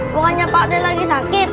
pokoknya pak lagi sakit